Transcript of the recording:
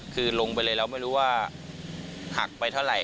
คือลงไปเลยแล้วไม่รู้ว่าหักไปเท่าไหร่